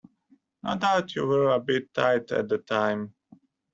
No doubt you were a bit tight at the time.